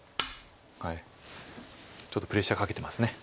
ちょっとプレッシャーかけてます。